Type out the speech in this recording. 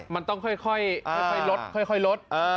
มันต้องค่อยลด